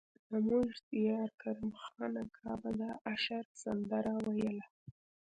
زموږ د ديار کرم خان اکا به د اشر سندره ويله.